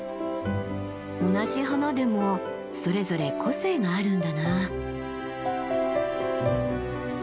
同じ花でもそれぞれ個性があるんだなあ。